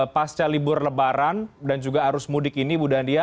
pasca libur lebaran dan juga arus mudik ini bu dandia